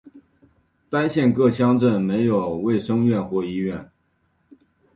单县各乡镇设有卫生院或医院。